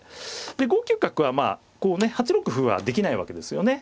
で５九角はまあこうね８六歩はできないわけですよね。